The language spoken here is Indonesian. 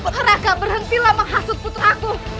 haraka berhentilah menghasut putra aku